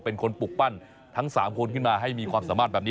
เป็นคนปลูกปั้นทั้ง๓คนขึ้นมาให้มีความสามารถแบบนี้